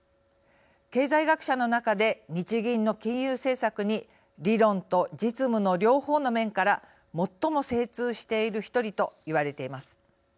経済学者の中で日銀の金融政策に理論と実務の両方の面から最も精通している１人と言われています。